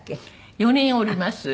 ４人おります。